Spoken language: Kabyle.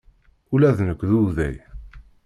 Ula d nekk d uday.